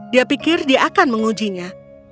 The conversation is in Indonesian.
dia pikir dia akan mengujinya